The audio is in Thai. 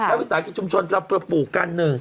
ภาษาวิทยาลัยชุมชนเราจะปลูกกัน